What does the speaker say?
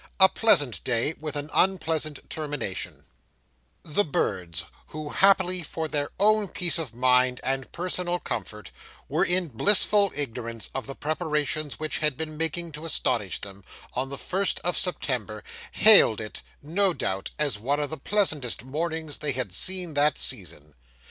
A PLEASANT DAY WITH AN UNPLEASANT TERMINATION The birds, who, happily for their own peace of mind and personal comfort, were in blissful ignorance of the preparations which had been making to astonish them, on the first of September, hailed it, no doubt, as one of the pleasantest mornings they had seen that season.